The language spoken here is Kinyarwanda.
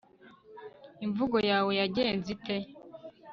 imvugo yawe yagenze ite